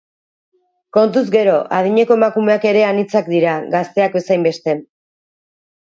Kontuz gero, adineko emakumeak ere anitzak dira, gazteak bezainbeste.